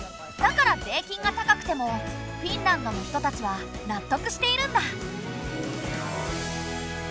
だから税金が高くてもフィンランドの人たちは納得しているんだ。